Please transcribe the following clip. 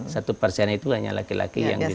satu persen itu hanya laki laki yang bisa